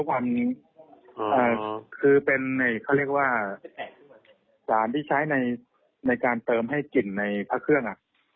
สารที่เขี้ยนเกิดหามมี่ใสการเติมให้จริงในผ้าเครื่อง